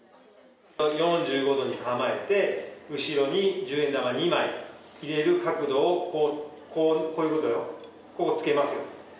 ４５度に構えて、後ろに、十円玉２枚入れる角度を、こう、こういうことよ、こうつけます。